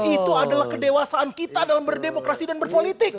itu adalah kedewasaan kita dalam berdemokrasi dan berpolitik